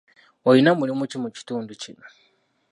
Olina mulimu ki mu kitundu kino?